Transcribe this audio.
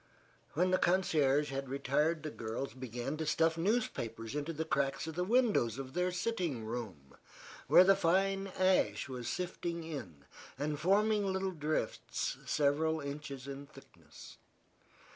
When the concierge had retired the girls began to stuff newspapers into the cracks of the windows of their sitting room, where the fine ash was sifting in and forming little drifts several inches in thickness.